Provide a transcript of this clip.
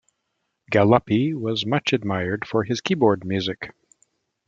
Galuppi was much admired for his keyboard music.